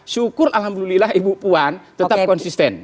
syukur alhamdulillah ibu puan tetap konsisten